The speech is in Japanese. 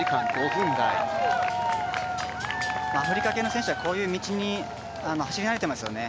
アフリカ系の選手はこういう道を走り慣れてますね